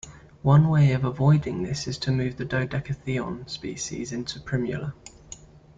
One way of avoiding this is to move the "Dodecatheon" species into "Primula".